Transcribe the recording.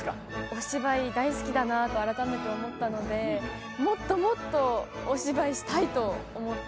お芝居大好きだなと改めて思ったのでもっともっとお芝居したいと思ってます。